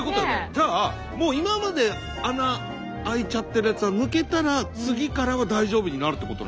じゃあもう今まで穴あいちゃってるやつは抜けたら次からは大丈夫になるってことなのかな？